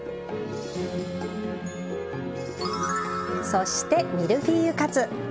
そしてミルフィーユカツ。